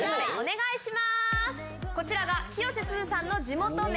こちらが広瀬すずさんの地元麺